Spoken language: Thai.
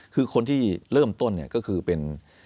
คือคนที่เริ่มต้นเนี่ยก็คือเป็น